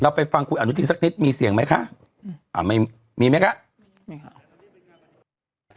เราไปฟังคุยอาณุจริงสักนิดมีเสียงไหมคะอ่าไม่มีไหมคะไม่ค่ะ